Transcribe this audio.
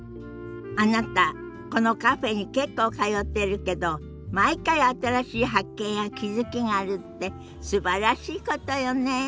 あなたこのカフェに結構通ってるけど毎回新しい発見や気付きがあるってすばらしいことよね。